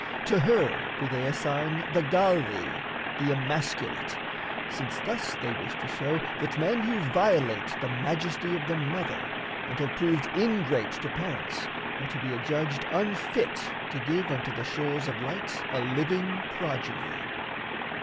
To her do they assign The Galli, the emasculate, since thus They wish to show that men who violate The majesty of the mother and have proved Ingrate to parents are to be adjudged Unfit to give unto the shores of light A living progeny.